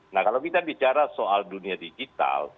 nah kalau kita bicara soal dunia digital